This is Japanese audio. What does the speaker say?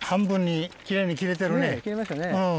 切れましたね。